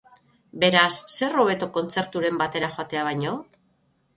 Beraz, zer hobeto kontzerturen batera joatea baino?